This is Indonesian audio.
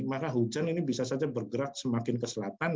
maka hujan ini bisa saja bergerak semakin ke selatan